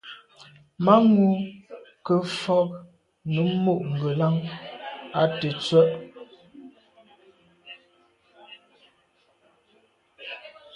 Manwù ke mfôg num mo’ ngelan à tèttswe’.